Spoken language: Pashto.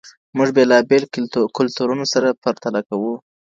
موږ بېلابېل کلتورونه سره پرتله کوو.